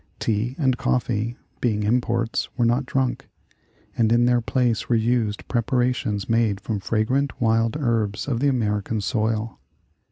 Tea and coffee, being imports, were not drunk, and in their place were used preparations made from fragrant wild herbs of the American soil.